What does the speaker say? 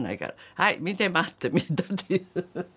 「はい見てます」ってみんなで言う。